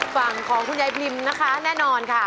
ฝั่งของคุณยายพิมพ์นะคะแน่นอนค่ะ